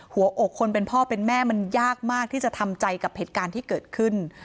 หัวอกคนเป็นพ่อเป็นแม่มันยากมากที่จะทำใจกับเหตุการณ์ที่เกิดขึ้น